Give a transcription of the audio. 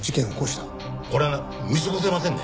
これは見過ごせませんね。